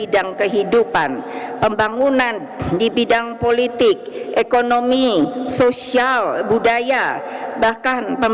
dan di dalam